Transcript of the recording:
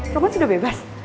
roman sudah bebas